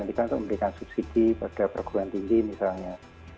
jadi kita juga memilihkan subsidi bagi perguruan tinggi misalnya